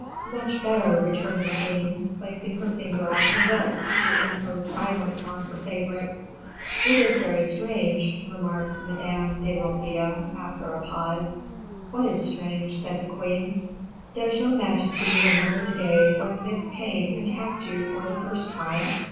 "Much better," returned the queen, placing her finger on her lips, to impose silence on her favorite. "It is very strange," remarked Madame de Motteville, after a pause. "What is strange?" said the queen. "Does your majesty remember the day when this pain attacked you for the first time?"